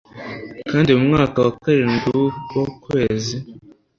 kandi mu mwaka wa karindwi wu ko kwezi